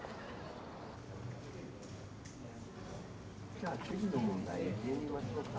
・じゃあ次の問題いってみましょうか。